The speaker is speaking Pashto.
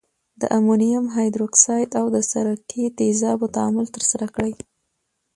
د امونیم هایدورکساید او د سرکې تیزابو تعامل ترسره کړئ.